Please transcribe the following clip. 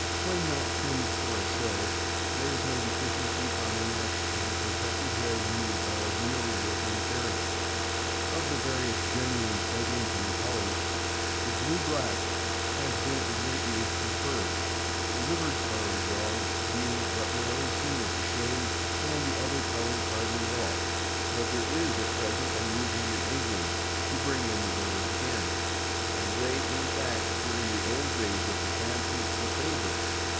When not trimmed for a show, there is no deficiency on the neck of the protected hair needed by a real working Ter rier. Of the various genuine Bedlington colors, the blue black has been of late years preferred, the liver colored dogs being but rarely seen at the shows, and the other colors hardly at all; but there is at present a movement in Eng land to bring in the livers again, and they, in fact, were in the old days of the fancy the favorites.